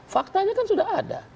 faktanya kan sudah ada